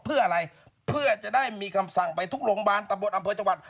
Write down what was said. เพื่ออะไรเพื่อจะได้มีคำสั่งไปทุกโรงพยาบาลตำบลอำเภอจังหวัด